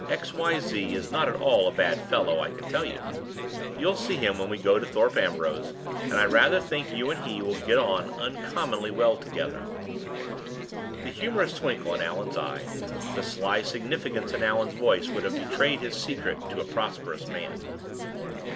X. Y. Z. is not at all a bad fellow, I can tell you. You'll see him when we go to Thorpe Ambrose; and I rather think you and he will get on uncommonly well together." The humorous twinkle in Allan's eye, the sly significance in Allan's voice, would have betrayed his secret to a prosperous man.